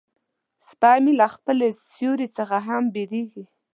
سپي مې له خپل سیوري څخه هم بیریږي.